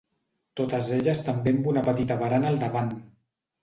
Totes elles també amb una petita barana al davant.